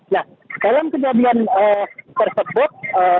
nah dalam kejadian tersebut